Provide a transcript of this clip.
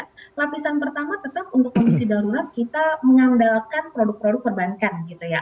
nah lapisan pertama tetap untuk kondisi darurat kita mengandalkan produk produk perbankan gitu ya